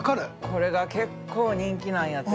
これが結構人気なんやて。